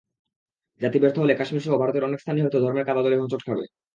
জাতি ব্যর্থ হলে কাশ্মীরসহ ভারতের অনেক স্থানই হয়তো ধর্মের কাদাজলে হোঁচট খাবে।